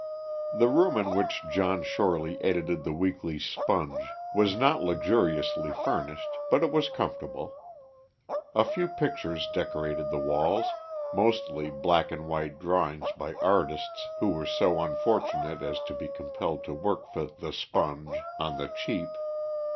The room in which John Shorely edited the Weekly Sponge was not luxuriously furnished, but it was comfortable. A few pictures decorated the walls, mostly black and white drawings by artists who were so unfortunate as to be compelled to work for the Sponge on the cheap.